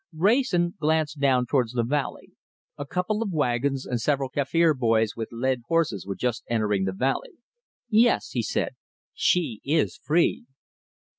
Wrayson glanced down towards the valley. A couple of wagons and several Kaffir boys with led horses were just entering the valley. "Yes!" he said, "she is free!"